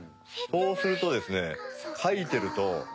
そうするとですね。